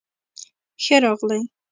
ښۀ راغلئ